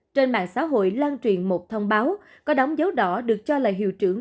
trên mạng xã hội lan truyền một thông báo có đóng dấu đỏ được cho là hiệu trưởng